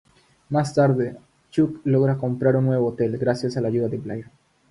Más tarde, Chuck logra comprar un nuevo hotel, gracias a la ayuda de Blair.